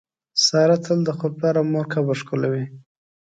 ساره تل د خپل پلار او مور قبر ښکلوي.